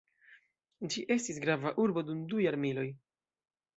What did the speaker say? Ĝi estis grava urbo dum du jarmiloj.